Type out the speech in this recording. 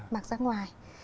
mặc ra ngoài